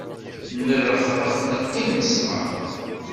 Nerrexrex neqqim nesber.